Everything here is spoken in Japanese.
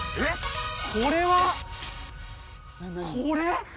これはこれ！？